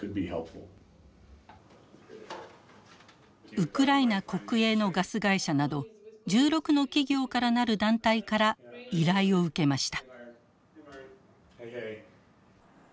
ウクライナ国営のガス会社など１６の企業から成る団体から依頼を受けました。